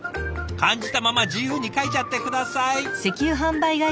感じたまま自由に描いちゃって下さい。